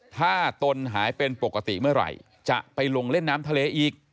ถ้าตนหายเป็นปกติเมื่อไหร่จะไปลงเล่นน้ำทะเลอีก